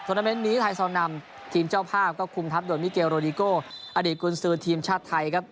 ธนเตอร์เมนต์นี้ไทยสอนำทีมเจ้าภาพก็คุ้มทับโดยมิเกลโรดิโกอดีตกุลซื้อทีมชาติไทย